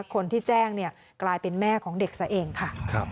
คนที่แจ้งกลายเป็นแม่ของเด็กซะเองค่ะ